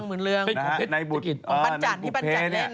เป็นของเพชรศกิจ